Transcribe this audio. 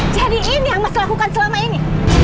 jadi ini yang mas lakukan selama ini